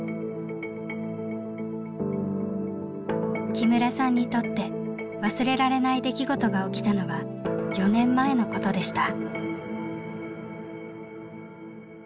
木村さんにとって忘れられない出来事が起きたのは４年前のことでした。